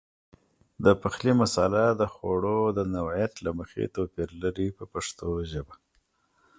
د پخلي مساله د خوړو د نوعیت له مخې توپیر لري په پښتو ژبه.